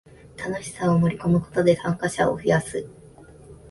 楽しさを盛りこむことで参加者を増やす